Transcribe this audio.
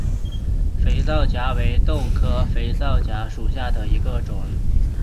肥皂荚为豆科肥皂荚属下的一个种。